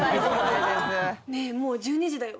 ねえもう１２時だよ。